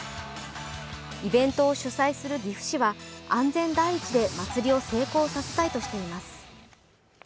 イベントを主催する岐阜市は、安全第一でまつりを成功させたいとしています。